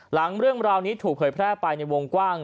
หลังเรื่องราวนี้ถูกเผยแพร่ไปในวงกว้าง